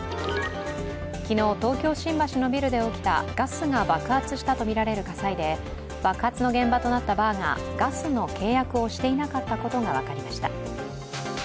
昨日、東京・新橋のビルで起きたガスが爆発したとみられる火災で爆発の現場となったバーがガスの契約をしていなかったことが分かりました。